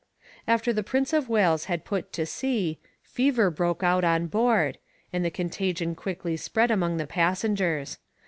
After the Prince of Wales had put to sea, fever broke out on board, and the contagion quickly spread among the passengers.